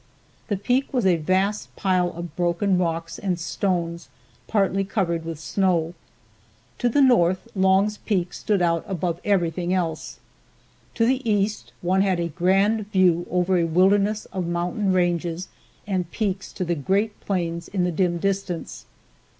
The peak was a vast pile of broken rocks and stones partly covered with snow. To the North Long's Peak stood out above everything else. To the East one had a grand view over a wilderness of mountain ranges and peaks to the great plains in the dim distance.